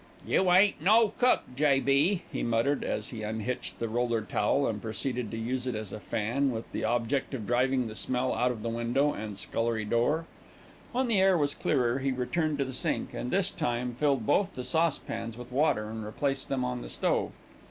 "You ain't no cook, J.B.," he muttered, as he unhitched the roller towel and proceeded to use it as a fan, with the object of driving the smell out of the window and scullery door. When the air was clearer, he returned to the sink and, this time, filled both the saucepans with water and replaced them on the stove.